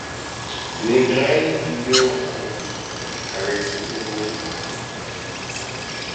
Négrel vivait au fond, avec ses ouvriers.